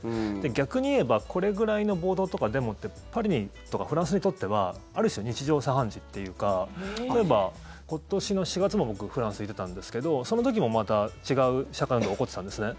逆に言えばこれぐらいの暴動とかデモってパリとかフランスにとってはある種、日常茶飯事っていうか例えば今年の４月も僕、フランス行ってたんですけどその時もまた違う社会運動が起こってたんですね。